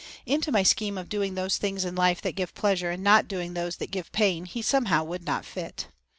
Into my scheme of doing those things in life that give pleasure and not doing those things that give pain he somehow would not fit.